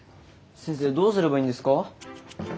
先生どうすればいいんですか？